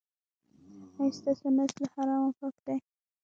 ایا ستاسو نس له حرامو پاک دی؟